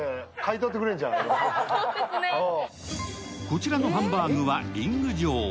こちらのハンバーグはリング状。